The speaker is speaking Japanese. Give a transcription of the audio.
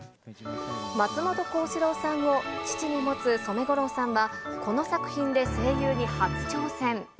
松本幸四郎さんを父に持つ染五郎さんは、この作品で声優に初挑戦。